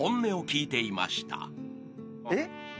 えっ？